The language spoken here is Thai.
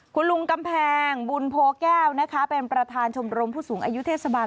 คุณลุงกำแพงบุญโพแก้วนะคะเป็นประธานชมรมผู้สูงอายุเทศบาล